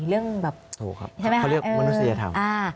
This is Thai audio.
ถูกครับเขาเรียกมนุษยธรรม